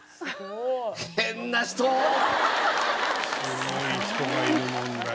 すごい人がいるもんだよ。